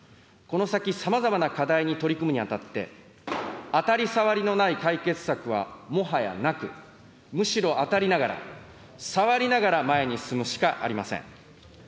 この先さまざまな課題に取り組むにあたって、当たり障りのない解決策はもはやなく、むしろ当たりながら、障りながら前に進むしかありません。